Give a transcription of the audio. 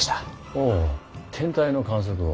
ほう天体の観測を。